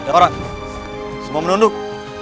ada orang semua menunduk